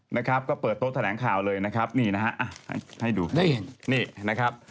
นะครับก็เปิดโต๊ะแถลงข่าวเลยนะครับ